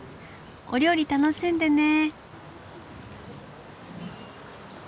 お料理楽しんでね。